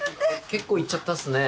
結構いっちゃったっすね。